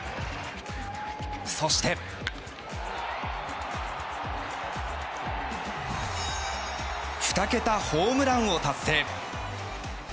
そして、２桁ホームランを達成。